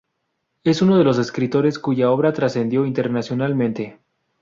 Es uno de los escritores cuya obra trascendió internacionalmente.